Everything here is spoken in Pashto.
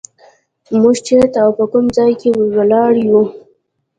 موږ چېرته او په کوم ځای کې ولاړ یو.